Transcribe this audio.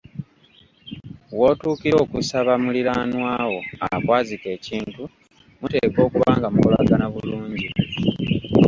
Wotuukira okusaba muliraanwa wo akwazike ekintu, muteekwa okuba nga mukolagana bulungi